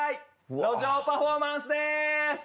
路上パフォーマンスです！